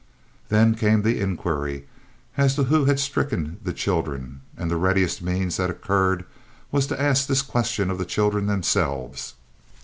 Then came the inquiry as to who had stricken the children, and the readiest means that occurred was to ask this question of the children themselves.